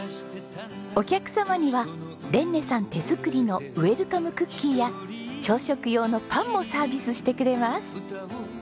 お客様にはレンネさん手作りのウェルカムクッキーや朝食用のパンもサービスしてくれます。